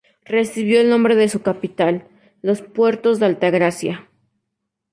Recibió el nombre de su capital, Los Puertos de Altagracia.